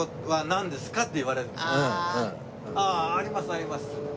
「あっありますあります